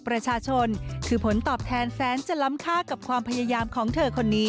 รุเทมาฮารคอร์